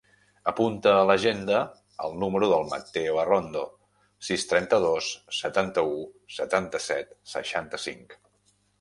Apunta a l'agenda el número del Matteo Arrondo: sis, trenta-dos, setanta-u, setanta-set, seixanta-cinc.